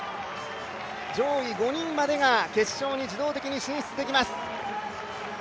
上位５人までが、決勝に自動的に進出できます。